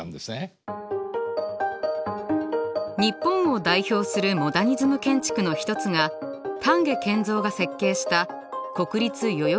日本を代表するモダニズム建築の一つが丹下健三が設計した国立代々木競技場です。